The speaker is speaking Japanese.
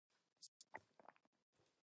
彼氏よ